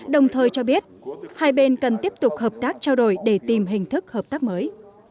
đồng thời cho biết hai bên cần tiếp tục hợp tác trao đổi để tìm hình thức hợp tác mới